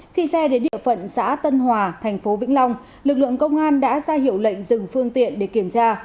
khi xe đến địa phận xã tân hòa thành phố vĩnh long lực lượng công an đã ra hiệu lệnh dừng phương tiện để kiểm tra